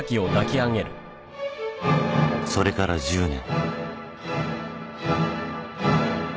［それから１０年］